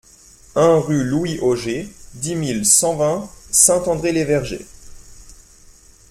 un rue Louis Auger, dix mille cent vingt Saint-André-les-Vergers